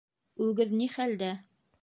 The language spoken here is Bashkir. Үгеҙ ни хәлдә?